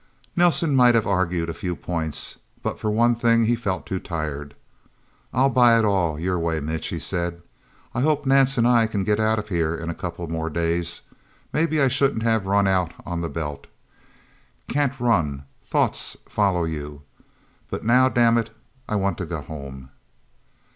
Nelsen might have argued a few points. But for one thing, he felt too tired. "I'll buy it all, your way, Mitch," he said. "I hope Nance and I can get out of here in a couple more days. Maybe I shouldn't have run out on the Belt. Can't run thoughts follow you. But now dammit I want to go home!"